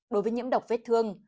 đối với nhiễm độc vết thương